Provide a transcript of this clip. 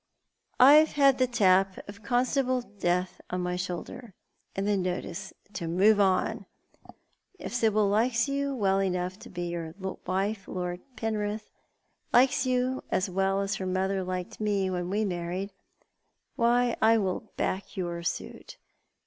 "I've had the tap of Constable Death on my shoulder, and the notice to move on. If Sibyl likes you well enough to be your wife, Lord Penrith— likes you as well as her mother liked me when we married— why, I will back your suit.